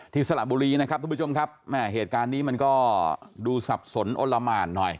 สระบุรีนะครับทุกผู้ชมครับแม่เหตุการณ์นี้มันก็ดูสับสนอนละหมานหน่อย